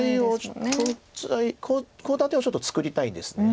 コウ立てをちょっと作りたいです。